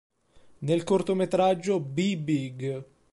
Nel cortometraggio "Be Big!